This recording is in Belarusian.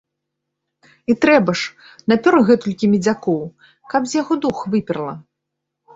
І трэба ж, напёр гэтулькі медзякоў, каб з яго дух выперла.